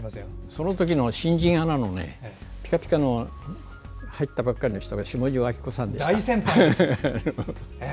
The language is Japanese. そのときの新人アナのピカピカの入ったばかりの人がしもじょうあきこさんでした。